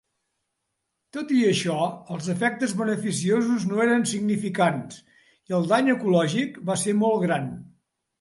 Tot i això, els efectes beneficiosos no eren significants i el dany ecològic va ser molt gran.